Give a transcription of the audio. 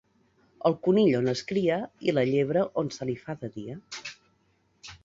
El conill on es cria i la llebre on se li fa de dia.